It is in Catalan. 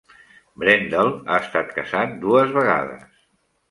Brendel ha estat casat dues vegades.